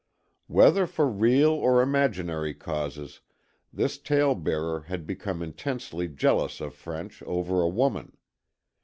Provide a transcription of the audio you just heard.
Whether for real or imaginary causes, this tale bearer had become intensely jealous of French over a woman.